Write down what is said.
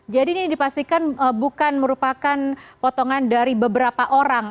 jadi ini dipastikan bukan merupakan potongan dari beberapa orang